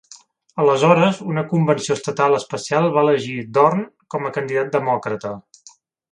Aleshores, una convenció estatal especial va elegir Dorn com a candidat demòcrata.